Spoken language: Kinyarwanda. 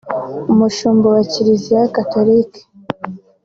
Umushumba wa Kiliziya Gatolika